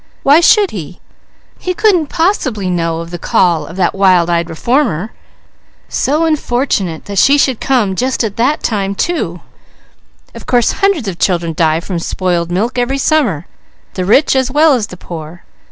Why should he? He couldn't possibly know of the call of that wild eyed reformer. So unfortunate that she should come just at that time too! Of course hundreds of children die from spoiled milk every summer, the rich as well as the poor.